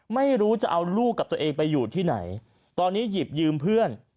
ไม่รู้จะเอาลูกกับตัวเองไปอยู่ที่ไหนตอนนี้หยิบยืมเพื่อน